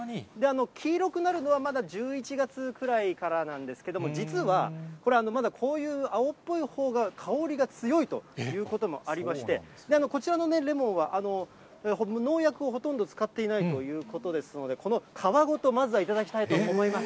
黄色くなるのはまだ１１月くらいからなんですけれども、実は、これ、まだこういう青っぽいほうが香りが強いということもありまして、こちらのレモンは、農薬をほとんど使っていないということですので、この皮ごと、まずは頂きたいと思います。